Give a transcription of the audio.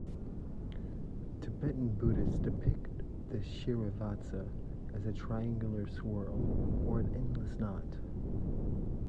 Tibetan Buddhists depict the shrivatsa as a triangular swirl or an endless knot.